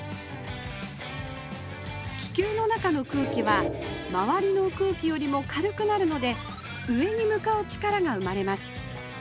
気球の中の空気は周りの空気よりも軽くなるので上に向かう力が生まれます。